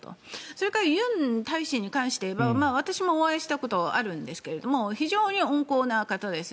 それからユン大使に関して言えば私もお会いしたことあるんですが非常に温厚な方です。